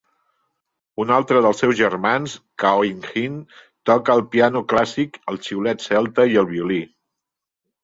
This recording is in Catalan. Un altre del seus germans, Caoimhin, toca el piano clàssic, el xiulet celta i el violí.